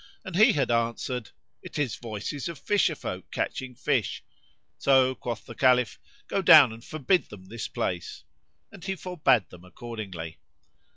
and he had answered, "It is voices of fisher folk catching fish:" so quoth the Caliph, "Go down and forbid them this place;" and he forbade them accordingly.